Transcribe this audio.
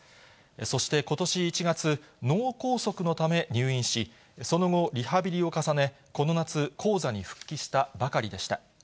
そしてことし１月、脳梗塞のため入院し、その後、リハビリを重ね、この夏、高座に復帰したばかりでした。